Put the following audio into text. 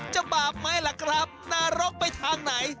บาปไหมล่ะครับนรกไปทางไหน